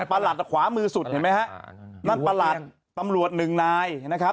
ประหลัดขวามือสุดเห็นไหมฮะนั่นประหลัดตำรวจหนึ่งนายนะครับ